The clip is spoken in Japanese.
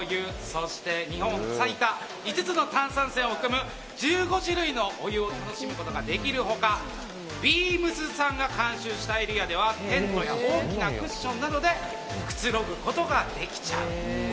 そして日本最多５つの炭酸泉を含む１５種類のお湯を楽しむことができる他ＢＥＡＭＳさんが監修したエリアではテントや大きなクッションなどでくつろぐことができちゃう。